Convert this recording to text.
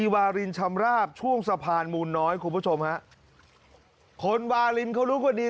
วารินชำราบช่วงสะพานมูลน้อยคุณผู้ชมฮะคนวารินเขารู้กันดี